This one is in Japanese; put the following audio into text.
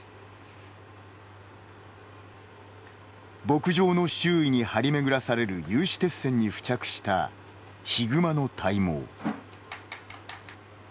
牧場の周囲に張り巡らされる有刺鉄線に付着したヒグマの体毛。